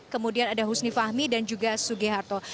kemudian ada husni fahmi dan juga suge harto